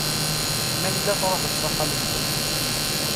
Ma yella truḥeḍ s axxam-nwen.